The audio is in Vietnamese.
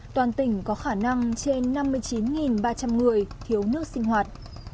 toàn tỉnh có khả năng trên năm mươi chín ba trăm linh người thiếu nước sinh hoạt